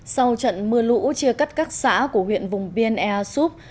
sau trận mưa lũ chia cắt các xã của huyện vùng biên ea súp